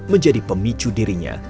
menjadi pemicu dirinya